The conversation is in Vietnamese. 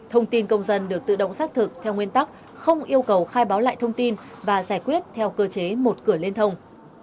thông tin công dân được tự động xác thực theo nguyên tắc không yêu cầu khai báo lại thông tin và giải quyết theo cơ chế một cửa liên thông